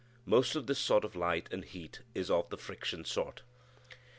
Most of this sort of light and heat is of the friction sort.